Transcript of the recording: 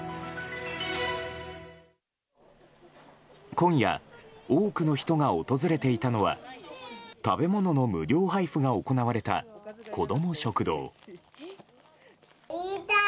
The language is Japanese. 今夜多くの人が訪れていたのは食べ物の無料配布が行われた子ども食堂。